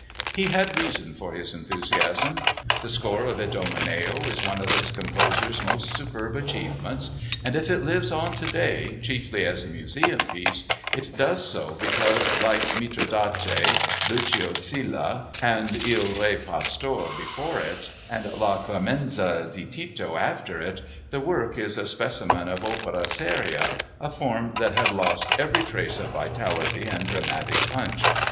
He had reason for his enthusiasm. The score of Idomeneo is one of its composer's most superb achievements and, if it lives on today chiefly as a museum piece, it does so because, like Mitridate, Lucio Silla, and Il Re pastore before it and La Clemenza di Tito after it, the work is a specimen of opera seria—a form that had lost every trace of vitality and dramatic punch.